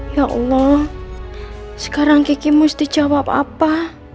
ya allah sekarang kiki mesti jawab apa